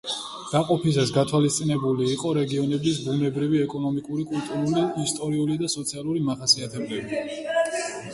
დაყოფისას გათვალისწინებული იყო რეგიონის ბუნებრივი, ეკონომიკური, კულტურული, ისტორიული და სოციალური მახასიათებლები.